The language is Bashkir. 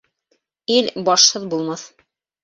Ил башһыҙ булмаҫ.